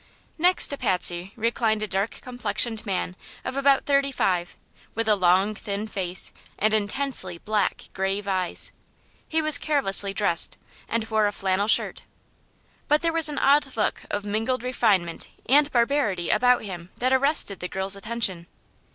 Next to Patsy reclined a dark complexioned man of about thirty five, with a long, thin face and intensely black, grave eyes. He was carelessly dressed and wore a flannel shirt, but there was an odd look of mingled refinement and barbarity about him that arrested the girl's attention.